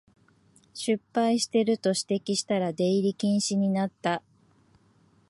失敗してると指摘したら出入り禁止になった